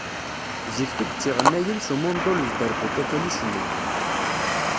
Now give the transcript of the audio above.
Zik tuget iɣennayen s umundol d dderbuka kan i cennun.